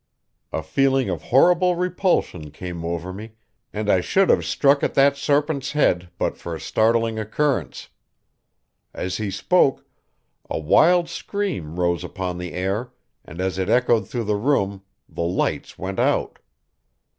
A feeling of horrible repulsion came over me, and I should have struck at that serpent's head but for a startling occurrence. As he spoke, a wild scream rose upon the air, and as it echoed through the room the lights went out.